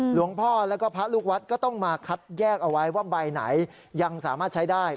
หลวงพ่อแล้วก็พระลูกวัดก็ต้องมาคัดแยกเอาไว้ว่าใบไหนยังสามารถใช้ได้